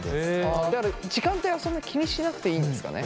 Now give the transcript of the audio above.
だから時間帯はそんな気にしなくていいんですかね？